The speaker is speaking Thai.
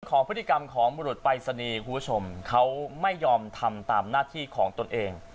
ของพฤติกรรมของบุรุษปรายศนีย์คุณผู้ชมเขาไม่ยอมทำตามหน้าที่ของตนเอง